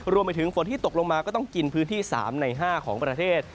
รวมไปถึงฝนที่ตกลงมาก็ต้องกินพื้นที่๓ใน๕ของประเทศ